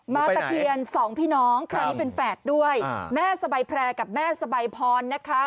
ตะเคียนสองพี่น้องคราวนี้เป็นแฝดด้วยแม่สบายแพร่กับแม่สบายพรนะคะ